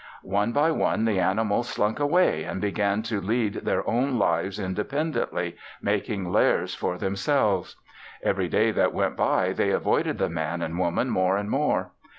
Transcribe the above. One by one the animals slunk away and began to lead their own lives independently, making lairs for themselves. Every day that went by they avoided the Man and Woman more and more.